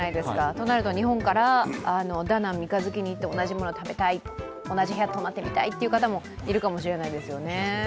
となると日本から、ダナン三日月に言って同じもの食べたい、同じ部屋泊まりたいって人もいるかもしれないですよね。